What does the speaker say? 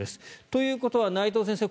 ということは内藤先生